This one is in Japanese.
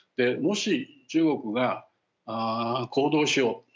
もし中国が行動しよう